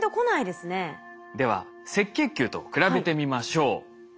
では赤血球と比べてみましょう。